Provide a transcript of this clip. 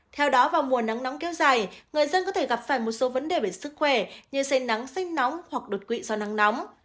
theo đó vào mùa nắng nóng kéo dài người dân có thể gặp phải một số vấn đề về sức khỏe như say nắng sanh nóng hoặc đột quỵ do nắng nóng